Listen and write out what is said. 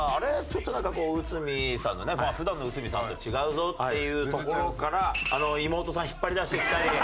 ちょっとなんかこう内海さんのね普段の内海さんと違うぞっていうところから妹さん引っ張りだしてきたり。